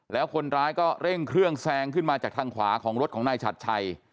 แล้วคนร้ายก็เร่งเครื่องแซงขึ้นมาจากทางขวาของรถของนายฉัดชัย